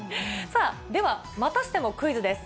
ではまたしてもクイズです。